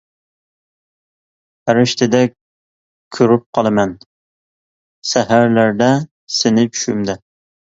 پەرىشتىدەك كۆرۈپ قالىمەن، سەھەرلەردە سېنى چۈشۈمدە.